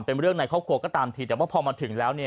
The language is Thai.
เป็นเรื่องในครอบครัวก็ตามทีแต่ว่าพอมาถึงแล้ว